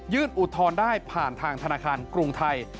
ยืดอุดทนได้ผ่านทางธนาคารกรุงไทย